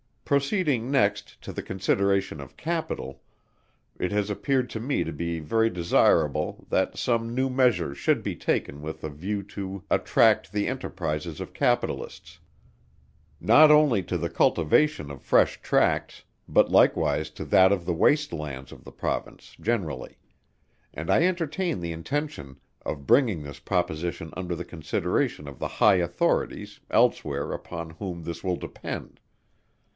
Proceeding, next, to the consideration of Capital, it has appeared to me to be very desirable, that some new measures should be taken with a view to attract the enterprizes of Capitalists, not only to the cultivation of fresh tracts, but likewise to that of the waste Lands of the Province generally; and I entertain the intention of bringing this proposition under the consideration of the High Authorities, elsewhere, upon whom this will depend.